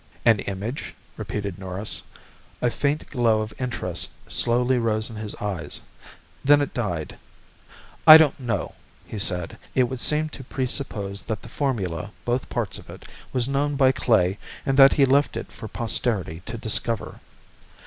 "An image?" repeated Norris. A faint glow of interest slowly rose in his eyes. Then it died. "I don't know," he said. "It would seem to presuppose that the formula, both parts of it, was known by Klae and that he left it for posterity to discover."